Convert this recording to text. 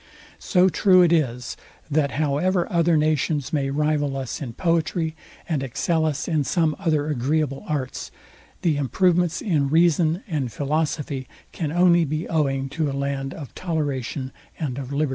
So true it is, that however other nations may rival us in poetry, and excel us in some other agreeable arts, the improvements in reason and philosophy can only be owing to a land of toleration and of liberty.